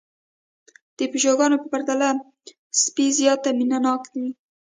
د پيشوګانو په پرتله سپي زيات مينه ناک وي